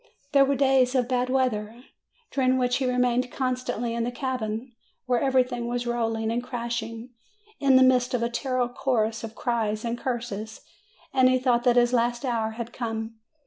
There were days of bad weather, during which he FROM APENNINES TO THE ANDES 259 remained constantly in the cabin, where everything was rolling and crashing, in the midst of a terrible chorus of cries and curses, and he thought that his last hour had come.